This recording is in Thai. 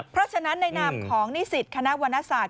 เพราะฉะนั้นในนามของนิสิตคณะวรรณศาสต